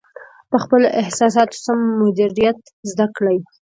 د خپلو احساساتو سم مدیریت زده کړئ.